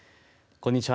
こんにちは。